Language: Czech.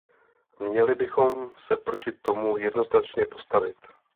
Měli bychom se proti tomu jednoznačně postavit.